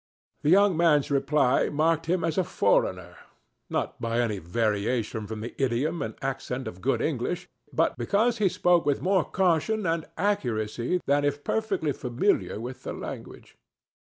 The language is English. The young man's reply marked him as a foreigner—not by any variation from the idiom and accent of good English, but because he spoke with more caution and accuracy than if perfectly familiar with the language.